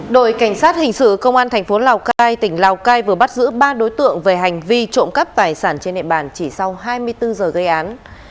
đội cảnh sát hình sự công an thành phố lào cai tỉnh lào cai vừa bắt giữ ba đối tượng về hành vi trộm cắp tài sản trên địa bàn chỉ sau hai mươi bốn giờ gây án